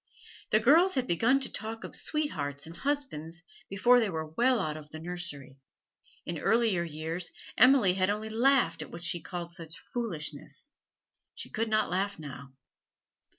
The girls had begun to talk of 'sweethearts' and husbands before they were well out of the nursery. In earlier years Emily had only laughed at what she called such foolishness; she could not laugh now.